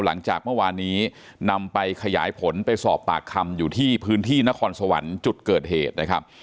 หลังจากเมื่อวานนี้นำไปขยายผลไปสอบปากคำอยู่ที่พื้นที่นครสวรรค์จุดเกิดเหตุนะครับ